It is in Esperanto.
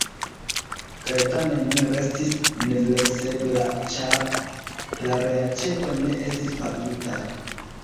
Kaj tamen mi restis nefleksebla, ĉar la reaĉeto ne estis pagita.